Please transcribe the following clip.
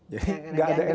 jadi gak ada enak